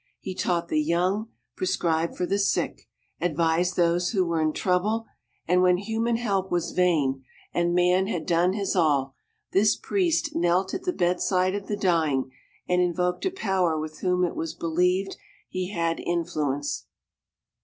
He taught the young, prescribed for the sick, advised those who were in trouble, and when human help was vain and man had done his all, this priest knelt at the bedside of the dying and invoked a Power with whom it was believed he had influence.